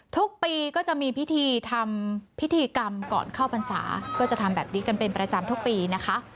ทุกปีก็จะมีพิธีทำพิธีกรรมก่อนเข้าพรรษาก็จะทำแบบนี้กันเป็นประจำทุกปีนะคะ